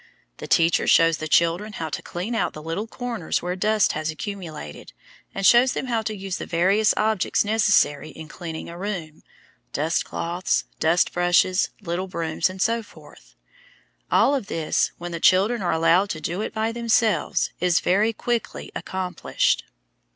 The teacher shows the children how to clean out the little corners where dust has accumulated, and shows them how to use the various objects necessary in cleaning a room,–dust cloths, dust brushes, little brooms, etc. All of this, when the children are allowed to do it by themselves, is very quickly accomplished.